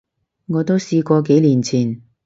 我都試過，幾年前